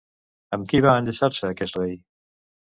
Amb qui va enllaçar-se aquest rei?